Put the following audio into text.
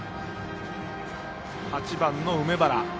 ８番の梅原。